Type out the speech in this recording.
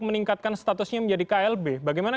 meningkatkan statusnya menjadi klb bagaimana